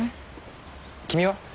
君は？